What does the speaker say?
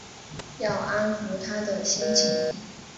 要安抚她的心情